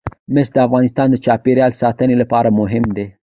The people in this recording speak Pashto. مس د افغانستان د چاپیریال ساتنې لپاره مهم دي.